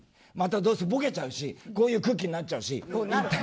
どうせぼけちゃうしこういう空気になっちゃうし。